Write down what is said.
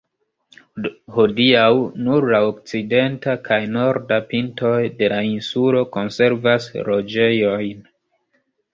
Hodiaŭ, nur la okcidenta kaj norda pintoj de la insulo konservas loĝejojn.